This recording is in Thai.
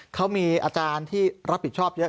เขามีอาจารย์ที่รับผิดชอบเยอะ